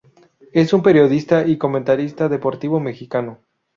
Es un periodista y comentarista deportivo mexicano.